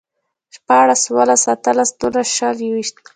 شپاړس، اووهلس، اتهلس، نولس، شل، يوويشت